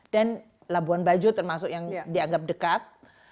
dan labuan bajo termasuk yang dianggap dekat